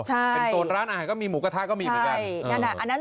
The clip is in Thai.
ใช่เป็นโซนร้านอาหารก็มีหมูกระทะก็มีเหมือนกัน